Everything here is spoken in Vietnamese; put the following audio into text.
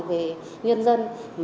về nhân dân